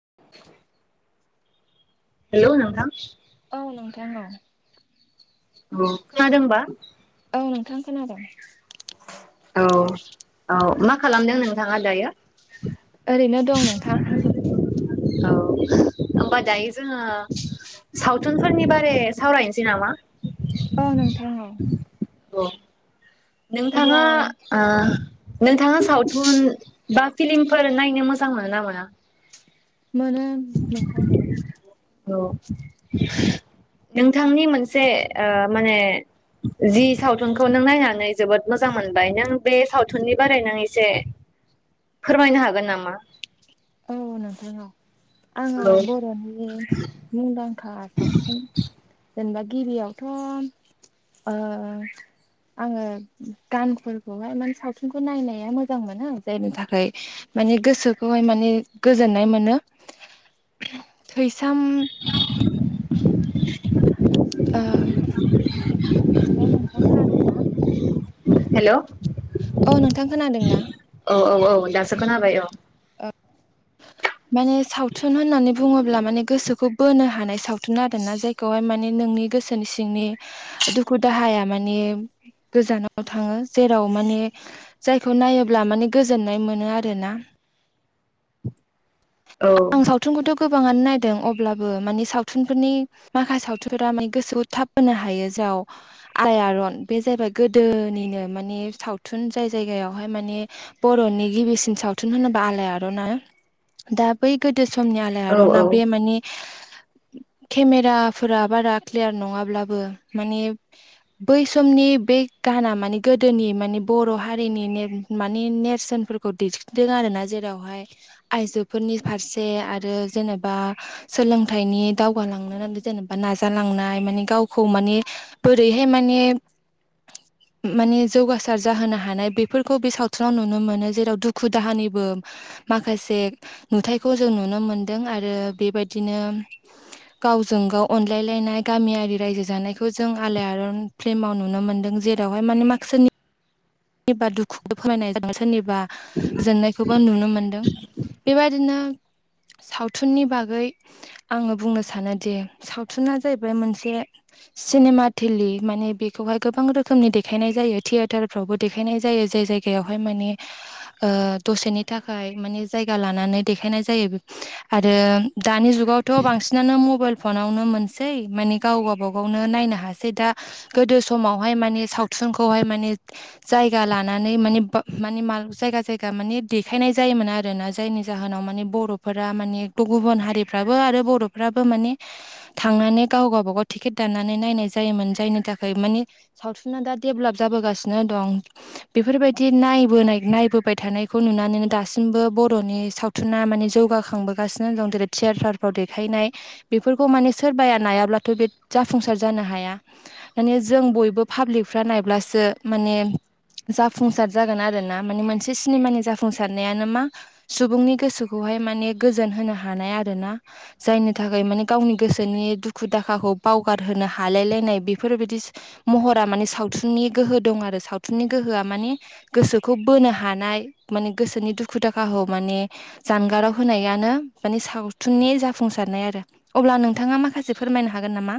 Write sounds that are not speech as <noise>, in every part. <inaudible> Hello नोंथां औ नोंथां औ। खोनादोंबा? औ नोंथां खोनादों। औ औ मा खालाम दों नोंथाङा दायो? ओरैनो दं नोंथां। औ होनबा दायो जोंङो सावथुनफोरनि बारै सावरायनोसै नामा? औ नोंथां औ अब्ला नोंथाङाओ नोंथाङा सावथुन बा फिलिमफोर नायनो मोजां मोनो ना मोना? मोनो नोंथां मोनो। औ नोंथांनि मोनसे ओ माने जि सावथुनखौ नों नायनानै जोबोद मोजां मोनबाय नों सावथुननि बारै नों एसे फोरमायनो हागोन नामा? औ नोंथां औ आङो औ बर'नि मुंदांखा खा सावथुन जेनेबा गिबियावथ' ओ आङो गानफोरखौहाय माने सावथुनखौ नायनाया मोजां मोनो जायनि थाखाय माने गोसोखौहाय माने गोजोननाय मोनो थैसाम <inaudible> ओ हेल' नोंथां खोनादोंना? हेल' औ औ नोंथां खोनादोंना औ औ दासो खोनाबाय औ। ओ माने सावथुन होननानै बुङोब्ला माने गोसोखौ बोनो हानाय सावथुन आरोना जायखौहाय माने नोंनि गोसोनि सिंनि दुखु दाहाया माने गोजानाव थाङो जेराव माने जायखौ नायोब्ला माने गोजोननाय मोनो आर ना औ आं सावथुनखौथ' गोबाङानो नायदों अब्लाबो मानि सावथुनफोरनि माखासे सावथुनफोरा माने गोसोआव थाब बोनो हायो जाव आयारन बे जाहैबाय गोदोनिनो माने सावथुन जाय जायगायावहाय माने बर'नि गिबिसिन सावथुन होनोबा आलायार'ना दा बै गोदो समनि आलाय औ आर औ ना बे मानि <inaudible> केमेराफोरा बारा क्लियार नङाब्लाबो माने बै समनि बे गाहाना मानि गोदोनि मानि बर' हारिनि मानि नेरसोन खौ दिखिदों आरो ना जेरावहाय आइजोफोरनि फारसे आरो जेनेबा सोलोंथाइनि दावगालांनो नांदों जेनेबा नाजालांनाय माने गावखौ माने बोरैहाय माने <inaudible> माने जौगासार जाहोनो हानाय बेफोरखौ बे सावथुनाव नुनो मोनो जेराव दुखु दाहानिबो <inaudible> माखासे नुथायखौ जों नुनो मोनदों आरो बेबायदिनो गावजों गाव अनलायलायनाय गामियारि रायजो जानायखौ जों आलायारन फ्लिमाव नुनो मोनदों जेरावहाय माने माखसेनि सोरनिबा दुखुखौ फोरमायनाय जादों सोरनिबा गोजोननायखौबो आं नुनो मोन्दों बेबायादिनो सावथुननि बागै आङो बुंनो सानोदि सावथु ए जाहैबाय मोनसे सिनेमा थिलि माने बेखौहाय गोबां रोखोमनि देखायनाय जायो थियेटारफ्रावबो। देखायनाय जायो जाय जायगायावहाय माने। दसेनि थाखाय मानि जायगा लानानै देखायनाय जायो। आरो दानि जुगावथ' बांसिनानो मबाइल फनावनो मोनसै मानि गाव गाबागावनो नायनो हासै। दा गोदो समावहाय माने सावथुनखौहाय माने जायगा लानानै मानि मानि जायगा जायगा मानि देखायनाय जायोमोन आरो ना जायनि। जाहोनाव माने बर'फोरा गुबुन हारिफ्राबो आरो बर'फ्राबो माने थांनानै गाव गावबागाव टिकेट दाननानै नायनाय जायोमोन जायनि थाखाय मानि। सावथुना दा देभलाप जाबोगासिनो दं। बेफोरबायदि नायबोनाय थानायखौ नुनानैनो दासिमबो बर'नि सावथुन। सावथुना माने जौगाखांबोगासिनो दं जेरै थियेटारफ्राव देखायनाय बेफोरखौ माने सोरबाया नायाब्लाथ' बे जाफुंसार जानो हाया। माने जों पाब्लिकफ्रा नायब्लासो माने। जाफुंसार जागोन आरोना माने मोनसे सिनेमानि जाफुंसारनायानो मा। सुबुंनि गोसोखौहाय माने गोजोन होनो हानाय आरोना। जायनि थाखाय माने गावनि गोसोनि दुखु दाखाखौ बावगारहोनो हालाय लायनाय बेफोरबायदि। महरा माने सावथुननि गोहो दं आरो सावथुननि गोहोआ माने। गोसोखौ बोनो हानाय माने गोसोनि दुखु दाखौ माने। जानगाराव होनायानो माने सावथुननि जाफुंसारनाय आरो। अब्ला नोंथाङा माखासे फोरमायनो हागोन नामा।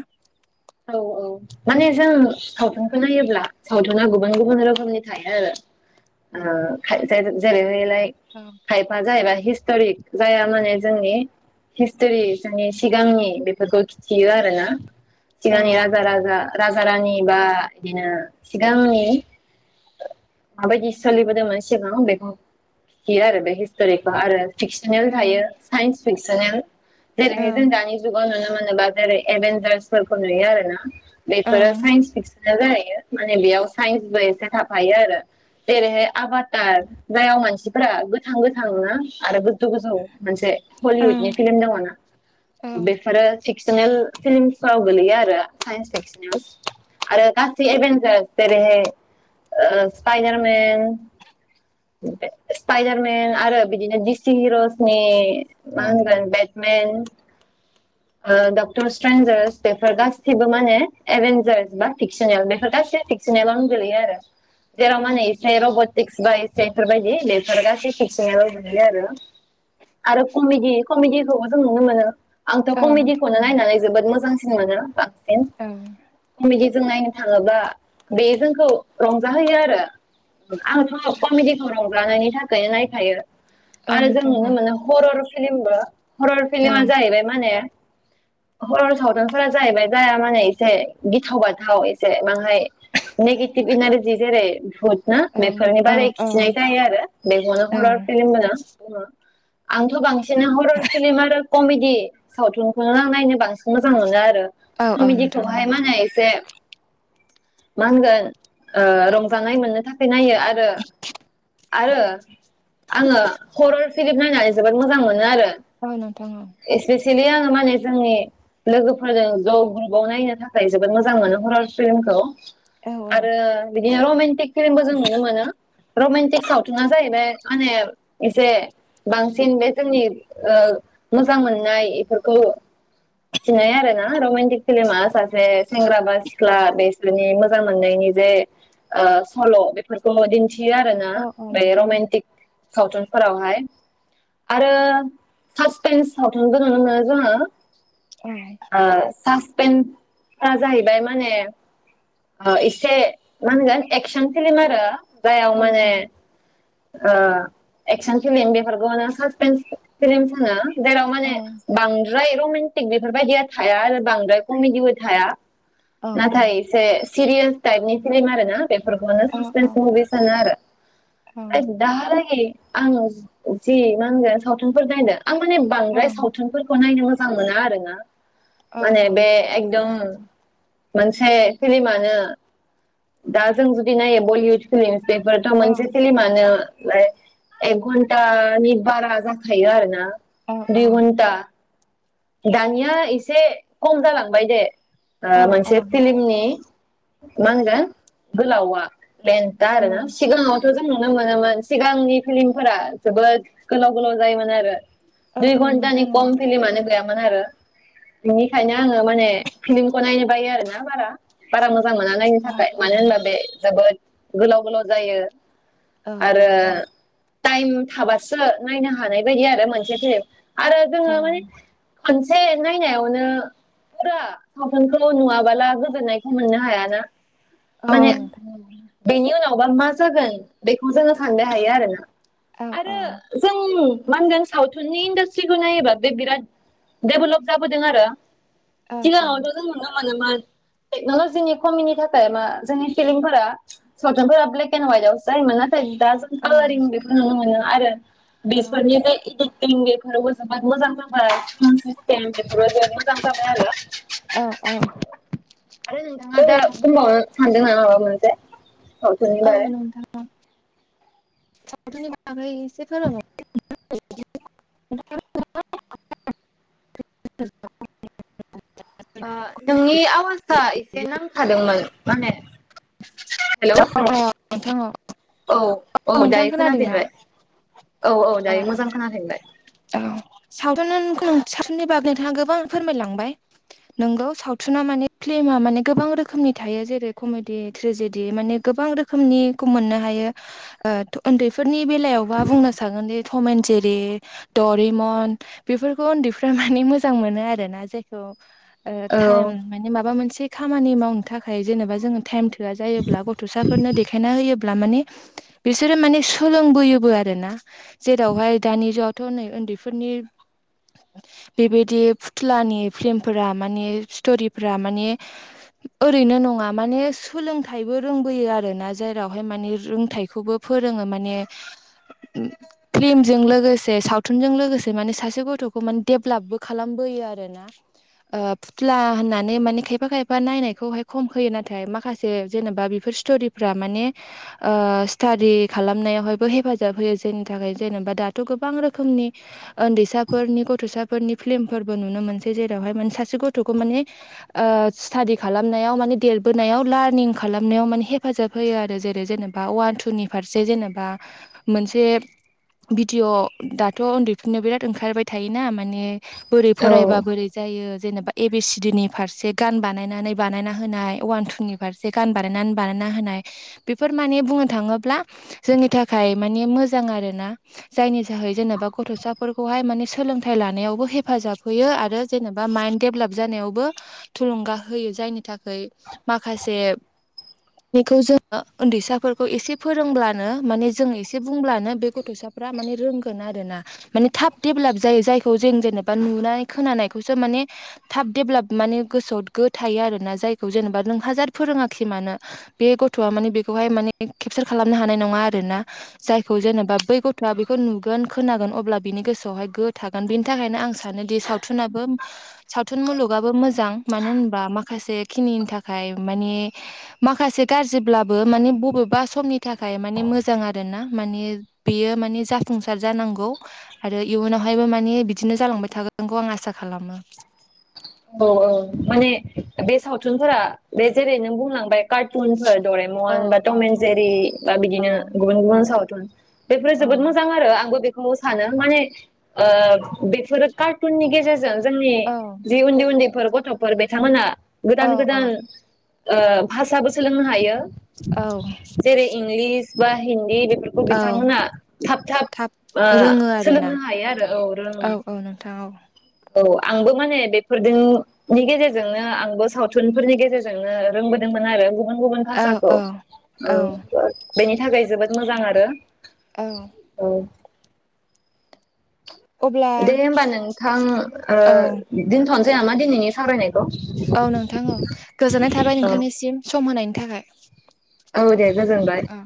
औ औ। माने जों सावथुनखौ नायोब्ला सावथुना गुबुन गुबुन रोखोमनि थायो आरो। जाय जेरैहायलाय। औ खाइफाआ जाहैबाय हिस्ट'रिक जाया माने जोंनि हिस्ट'रि जोंनि सिगांनि बेफोरखौ खिथियो आरो। औ सिगांनि राजा राजा राजा रानि बिदिनो सिगांनि। माबायदि सोलिबोदोंमोन सिगां बेखौ खिथियो आरो बे हिस्ट'रिखौ आरो। फिक्सनेल औ थायो साइन्स फिकसनेल जेरैहाय जों दानि जुग जुगाव नुनो मोनो बा जेरै एभन्जारसफोरखौ नुयो आरोना औ बेफोरो साइस फिक्सार। जाहैयो माने बेयाव साइन्सबो एसे थाफायो आरो। जेरैहाय आबादार जायायाव मानसिफ्रा गोथां गोथांना आरो गोजौ गोजौ। मोनसे हलिवुदनि फिल्म दङना औ बेफोरो फिक्सनेल फिल्म। गोग्लैयो आरो साइन्स फिक्सनेल आरो गासै एभन्सार जेरैहाय। स्पाइदारमेन स्पाइदारमेन बिदिनो डिस्टि हिर'सनि मा होनगोन बेट मेन। डक्टर सिट्रेन्जारस बेफोर गासिबो माने एभेन्जार बा फिक्सनेल बेफोर गासिबो‌ सिनेमावनो गोलैयो आरो औ जेराव माने एसे रबट। भिसबाय सेऩथार बेफोर गासिबो फिक्सनेल आव गोलैयो आरो आरो कमेडि कमेडिखौबो जों नुनो मोनो आंथ' औ कमेडिखौनो नोंथां नायनानै जोबोद मोजांसिन मोनो बांसिन औ कमेडि जों नायनो थाङोबा बे जोंखौ रंजाहोयो आरो आंथ' कमेडिखौ रंजानायनि थाखायनो नायखायो औ आरो जों नोंथां नुनो मोनो हरर फिलिमबो हरर औ फिलिमा जाहैबाय माने। हरर' सावथुनफोरा जाहैबाय जाया माने एसे गिथाव बाथाव एसे माहाय नेगिथिभ एनारजि जेरै भुट ना बेफोरनि औ बारै खिथिनाय जायो आरो बेखौनो औ हरर फिल्म होनो। आंथ' बांसिना हरर फिलिम आरो कमेडी सावथुनखौनो आं नायनो बांसिन मोजां मोनो आरो औ औ नोंथां कमेडिखौहाय माने एसे मा होनगोन रंजानाय मोन्नो थाखाय नायो आरो आरो आङो हरर फिलिम नायनानै जोबोद मोजां मोनो आरो औ नोथां स्पेसिलि आङो माने जोंनि लोगोफोरजों ज' ग्रुपाव नायनो थाखाय जोबोद मोजां मोनो हररस फिल्मखौ औ आरो बिदिनो रमान्टिक फिल्मबो जों नुनो मोनो रमन्टिक सावथुनानो जाहैबाय माने एसे बांसिन बे जोंनि मोजां मोन नाय एफोरखौ आरो ना रमान्टिक फिलिमा सासे सेंग्रा बा सिख्ला बे मोजां मोननायनि जे सल' बेफोरखौ दिन्थि आरो ना औ औ बे नोंथां औ रमान्टिक सावथुनफोरावहाय आरो पासथाम सावथन नुनो मोनो जोङो <unintelligible> सासपेन्स जाहैबाय माने एसे मा होनगोन एक्सन फिल्म आरो औ नोंथां औ नोंथां औ जायाव माने एक्सन फिल्म बेफोरखौनो सासपेन्स फिल्म होनो जाय माने बांद्राय रमेन्टिक बेफोरबायदिया थाया आरो बांद्राय कमेडिबो थाया। नाथाय एसे सिरियास टाइपनि फिल्म आरोना बे बेफोरखौनो <inaudible> मुभि सानो आरो दाहालागै आं जि मा होनगोन सावथुनफोर नायदों आं माने बांद्राय सावथुनफोर खौ नायनो मोजां मोना आरो ना माने औ बे एकदम मोनसे फिल्म आनो दा जों जुदि नायो बलिउद <inaudible> बेफोरथ मोनसे फिल्म आनो लाय एक घन्टानि बारा जाखायो आरो ना दुइ घन्टा दानिया इसे खम जालांबाय दे ओ मोनसे फिलिमनि मा होनगोन गोलावआ बे दा आरो ना सिगाङाव थ' जों नुनो मोनोमोन सिगांनि फिलिमफोरा जोबोद गोलाव गोलाव जायोमोन आरो दुइ घन्टानि कम फिलिमानो गैयामोन। आरो बिनिखायनो आङो माने फिलिमखौ नायनो बायो आरो ना बारा बारा मोजां मोना नायनो थाखाय मानो होनब्ला बे जोबोद गोलाव गोलाव जायो। आरो टाइम थाबासो नायनो हानाय बायदि आरो मोनसे फिल्म आरो जोङो माने खनसे नायनायावनो फुरा सावथुनखौ नुवाबोला गोजोननायखौ मोननो हायाना अ माने नोंथां नोंगौ बेनि उनावबा मा जागोन बेखौ जोङो साननो हायो आरोना आरो जों मा होनगोन सावथुननि इन्डास्ट्रिखौ नायोबा बे बिराद देभलप जाबोदों आरो अ सिगाङावथ' जों नुनो मोनोमोन टेक्न'लजिनि खमिनि थाखाय मा जोंनि फिलिमफोरा सावथुनफोरा ब्लेक एन्ड हवाइट आवसो जायोमोन नाथाय दा जों कालारिं बेखौ नुनो मोनोमोन आरो बिसोरनि <inaudible> <inaudible> बेफोरावबो जोबोद मोजां जाबाय सिस्टेम बेफोरबो जोबोद मोजां जाबाय आरो औ औ आरो नोंथाङा दा बुंबावनो सानदों ना माबा मोनसे सावथुननि बागै सावथुननि बागै इस <inaudible> ओ नोंनि आवाजआ एसे नांथादोंमोन माने हेलौ <unintelligible> औ औ नोंथां दायो खोनादों ना? खोनाफिनबाय औ औ दायो मोजां खोनाफिनबाय। औ सावथुन सावथुननि बागै थ' आं गोबां फोरमायलांबाय। नोंगौ सावथुना माने फिल्मा माने गोबां रोखोमनि थायो जेरै कमेड दि त्रेजिदि माने गोबां रोखोमनिखौ मोननो हायो ओ थ उन्दैफोरनि बेलायावबा बुंनो सागोनदि टमे एन जेरि दरिमन बेफोरखौ उन्दैफोरा माने मोजां मोनो आरोना जायखौ ओ औ टाइम माने माबा मोनसे खामानि मावनो थाखाय जेनेबा जोङो टाइम ला जायोब्ला गथ'साफोरनो देखायना होयो ब्ला माने बेसोरो माने सोलोंबोयोबो आरोना जेरावहाय दानि ज थ' नै ओन्दैफोरनि बेबायदि फुथुलानि फिलिमफोरा माने स्टरिफोरा माने ओरैनो नङा माने सोलोंथाइबो रोंबोयो आरो ना जेरावहाय माने रोंथाइखौबो फोरोङो माने उम प्लिम जों लोगोसे सावथुनजों लोगोसे माने सासे गथ'खौ माने देभलापबो खालाम बोयो आरो ना। ओ फुथ्ला होननानै माने खायफा खायफा नायनायखौहाय खम होयो नाथाय माखा से जेनेबा बेफोर सिथ'रिफ्रा माने ओ सिथादि खालामनायावहायबो हेफाजाब होयो। जायनि थाखाय जेनेबा दाथ' गोबां रोखोमनि ओन्दैसाफोरनि गथ'साफोरनि प्लिम फोरबो नुनो मोनसै जेरावहाय मान सासे गथ'खौ माने ओ सिथादि खालामनायाव माने देरबोनायाव लाद निं खालामनायाव माने हेफाजाब होयो आरो जेरै जेनेबा अवान थुनि फारसे जेनेबा मोनसे भिदिअ' दाथ' उन्दैफोरनो बिराद ओंखारबाय थायोना माने बोरै फरायबा औ बोरै जायो जेनेबा ए बि सि डि नि फारसे गान बानायनानै बानायना होनाय अवान थुनि फारसे गान बानायनानै बानायना होनाय बेफोर माने बुंनो थाङोब्ला जोंनि थाखाय माने मोजां आरो ना। जायनि जाहै जेनेबा गथ'साफोरखौहाय माने सोलोंथाइ लानायावबो हेफाजाब होयो आरो जेनेबा मायन्द देभलाप जानायावबो थुलुंगा होयो। जायनि थाखाय माख खासे बेखौ जोङो ओन्दैसाफोरखौ एसे फोरोंब्लानो माने जों एसे बुंब्लानो बे गथ'सा फ्रा माने रोंगोन आरो ना। माने थाब देभलाप जायो जायखौ जों जेनेबा नुनानै खोनानायखौसो माने थाब देभलाप माने गोसोआव गो थायो आरोना जायखौ जेनेबा नों हाजार फोरोङाखै मानो बे गथ'आ माने बेखौहाय माने केपसार खालामनो हानाय नङा आरोना जायखौ जेनेबा बै गथ'आ बेखौ नुगोन खोनागोन अब्ला बिनि गोसोआवहाय गो थाग गोन बिनि थाखायनो आं सानोदि सावथुनाबो सावथुन मुलुगाबो मोजां मानो होनबा माखासे खिनिनि थाखाय माने माखासे गाज्रिब्लाबो माने बबेबा समनि थाखाय माने मोजां आरो ना माने बेयो माने जाफुंसार जानांगौ। आरो इयुनावहायबो माने बिदिनो जालांबाय थागोनखौ आं आसा खालामो। औ औ माने बे सावथुनफोरा बे जेरै नों बुंलांबाय कारथुनफोर औ दरेमन बा औ थमेन जेरि बा औ बिदिनो गुबुन गुबुन सावथुन बेफोरो औ जोबोद आरो आंबो बे मसानो माने ओ बेफोरो कारटुननि गेजेरजों जोंनि औ जि उन्दै उन्दैफोर गथ'फोर बिथांमोना औ गोदान गोदान औ ओ भासाबो सोलोंनो हायो। औ जेरै इंलिस बा हिन्दी बेफोर खौ औ बिथांमोना थाब थाब आ रोङो आरोना सोलोंनो हायो आरो औ रोङो। औ औ नोंथां औ औ आंबो माने बेफोरदों नि गेजेरजोंनो आंबो सावथुनफोरनि गेजेरजोंनो रोंबोदोंमोन आरो गु बुन गुबुन औ भासाखौ औ औ बेनि थाखाय जोबोद मोजां आरो। औ ओं <inaudible> दे होमबा नोंथां ओ औ दिनथ'नोसै नामा दिनैनि सावरायनाय औ नोंथां औ गोजोननाय थाबाय औ नोंथांनिसिम सम होनायनि थाखाय। औ दे गोजोनबाय। औ